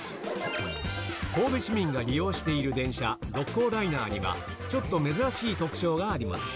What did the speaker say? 神戸市民が利用している電車、六甲ライナーには、ちょっと珍しい特徴があります。